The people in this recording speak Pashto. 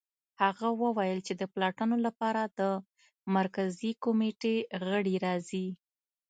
هغه وویل چې د پلټنو لپاره د مرکزي کمېټې غړي راځي